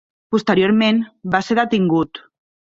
Posteriorment va ser detingut.